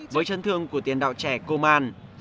với chân thương của tiền đạo trẻ coman